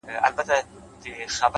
خوښي په ساده شیانو کې ده؛